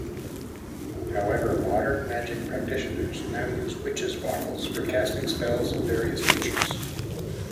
However, modern magic practitioners now use witches bottles for casting spells of various natures.